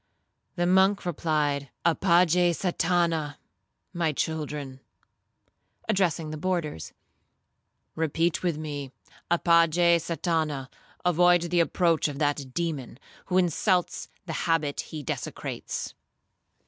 The monk replied, 'Apage Satana. My children,' addressing the boarders, 'repeat with me, apage Satana; avoid the approach of that demon, who insults the habit he desecrates.'